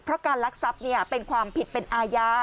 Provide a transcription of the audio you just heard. เพราะการลักทรัพย์เป็นความผิดเป็นอาญา